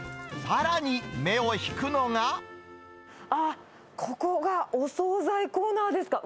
ああ、ここがお総菜コーナーですか。